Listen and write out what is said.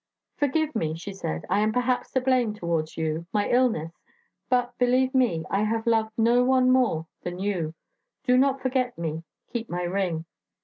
"'Forgive me,' she said; 'I am perhaps to blame towards you ... my illness ... but believe me, I have loved no one more than you ... do not forget me ... keep my ring.'"